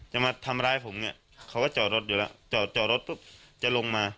จะมาทำร้ายผมเนี่ยเขาก็จอดรถอยู่แล้วจอดจอดรถปุ๊บจะลงมา